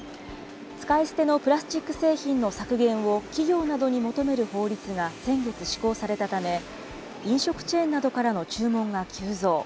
使い捨てのプラスチック製品の削減を、企業などに求める法律が先月施行されたため、飲食チェーンなどからの注文が急増。